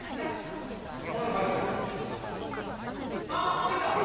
あっ、負けた。